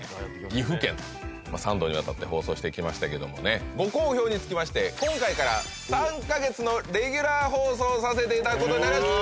岐阜県と３度にわたって放送してきましたけどもねご好評につきまして今回から３か月のレギュラー放送させていただくことになりました！